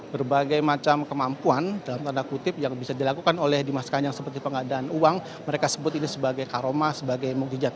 berbagai macam kemampuan dalam tanda kutip yang bisa dilakukan oleh dimas kanjeng seperti pengadaan uang mereka sebut ini sebagai karomah sebagai mukijab